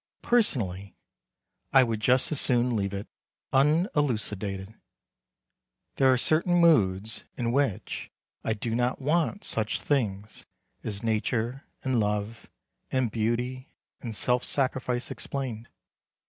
Personally, I would just as soon leave it unelucidated. There are certain moods in which I do not want such things as nature, and love, and beauty, and self sacrifice explained.